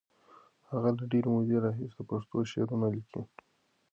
هغه له ډېرې مودې راهیسې پښتو شعرونه لیکي.